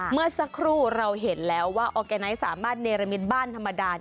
เมื่อสักครู่เราเห็นแล้วว่าออร์แกไนท์สามารถเนรมิตบ้านธรรมดา